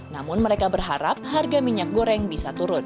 namun mereka berharap harga minyak goreng bisa turun